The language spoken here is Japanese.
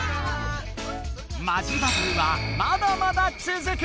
マジバトルはまだまだつづく！